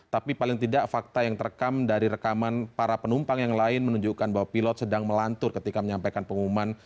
tapi paling tidak fakta yang terekam dari rekaman para penumpang yang lain menunjukkan bahwa pilot sedang melantur ketika menyampaikan pengumuman